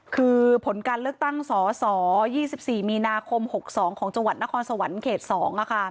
คือผลการเลือกตั้งสส๒๔มีนาคม๖๒ของจังหวัดนครสวรรค์เขต๒